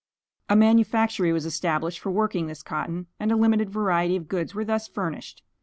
A manufactory was established for working this cotton, and a limited variety of goods were thus furnished.